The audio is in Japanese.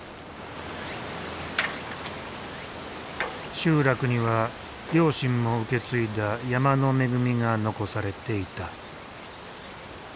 集落には両親も受け継いだ山の恵みが残されていた。